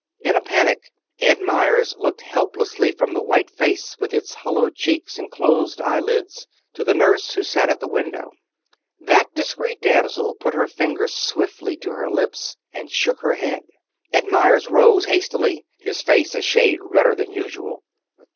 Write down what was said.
In a panic Ed Meyers looked helplessly from the white face, with its hollow cheeks and closed eyelids to the nurse who sat at the window. That discreet damsel put her finger swiftly to her lips, and shook her head. Ed Meyers rose, hastily, his face a shade redder than usual.